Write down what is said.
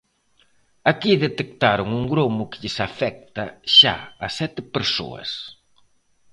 Aquí detectaron un gromo que lles afecta xa a sete persoas.